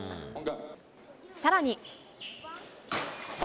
さらに。